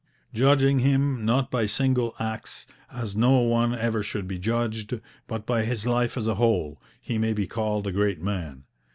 Judging him not by single acts, as no one ever should be judged, but by his life as a whole, he may be called a great man.